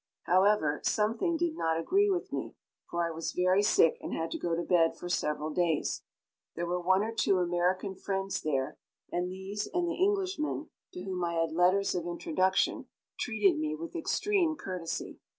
However, something did not agree with me, for I was very sick and had to go to bed for several days. There were one or two American friends there, and these and the Englishmen, to whom I had letters of introduction, treated me with extreme courtesy.